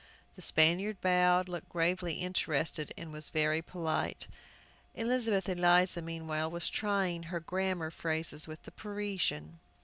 The Spaniard bowed, looked gravely interested, and was very polite. Elizabeth Eliza, meanwhile, was trying her grammar phrases with the Parisian.